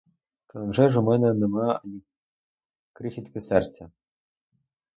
Та невже ж у мене нема ані крихітки серця?